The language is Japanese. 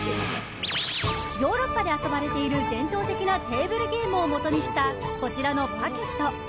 ヨーロッパで遊ばれている伝統的なテーブルゲームをもとにしたこちらのＰＵＣＫＥＴ。